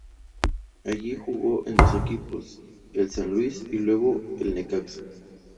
Allí jugó en dos equipos: el San Luis y luego el Necaxa.